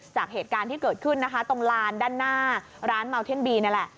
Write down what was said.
จากเหตุการณ์ที่เกิดขึ้นนะคะตรงลานด้านหน้าร้านเมาเท่นบีนี่แหละ